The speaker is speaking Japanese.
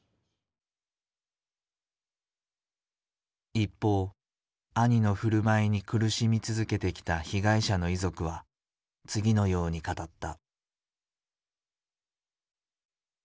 一方兄の振る舞いに苦しみ続けてきた被害者の遺族は次のように語った。